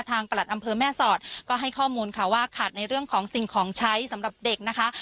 ประหลัดอำเภอแม่สอดก็ให้ข้อมูลค่ะว่าขาดในเรื่องของสิ่งของใช้สำหรับเด็กนะคะ